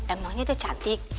emangnya dia cantik